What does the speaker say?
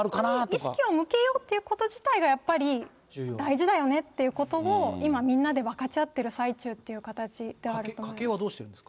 意識を向けようということ自体がやっぱり大事だよねということを、今、みんなで分かち合っている最中であるという形です。